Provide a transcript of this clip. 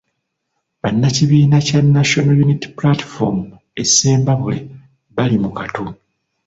Bannakibiina kya National Unity Platform e Ssembabule bali mu kattu.